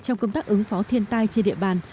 trong công tác ứng phó thiên tai trên địa bàn